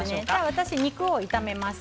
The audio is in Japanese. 私は肉を炒めます。